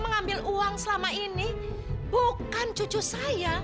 mengambil uang selama ini bukan cucu saya